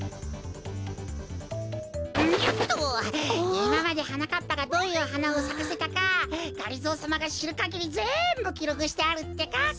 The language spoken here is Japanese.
いままではなかっぱがどういうはなをさかせたかがりぞーさまがしるかぎりぜんぶきろくしてあるってか！